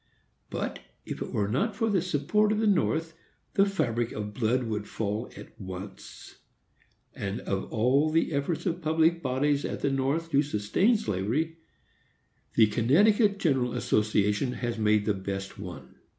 But, if it were not for the support of the North, the fabric of blood would fall at once. And of all the efforts of public bodies at the North to sustain slavery, the Connecticut General Association has made the best one.